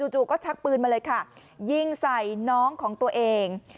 จู่ก็ชักปืนมาเลยค่ะยิงใส่น้องของตัวเอง